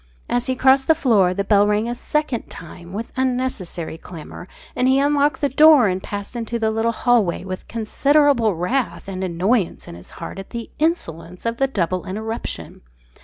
As he crossed the floor, the bell rang a second time, with unnecessary clamour, and he unlocked the door and passed into the little hallway with considerable wrath and annoyance in his heart at the insolence of the double interruption.